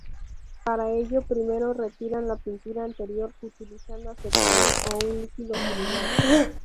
Para ello, primero retiran la pintura anterior utilizando acetona o un líquido similar.